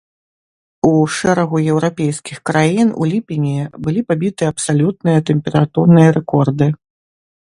У шэрагу еўрапейскіх краін у ліпені былі пабіты абсалютныя тэмпературныя рэкорды.